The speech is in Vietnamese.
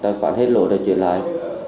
tài khoản hết lỗi rồi chuyển lại